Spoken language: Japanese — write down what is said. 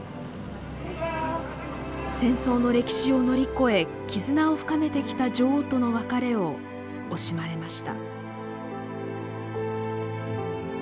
戦争の歴史を乗り越え絆を深めてきた女王との別れを惜しまれました。